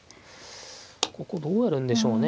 ここどうやるんでしょうね。